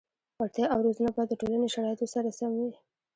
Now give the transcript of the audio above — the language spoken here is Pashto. وړتیا او روزنه باید د ټولنې شرایطو سره سم وي.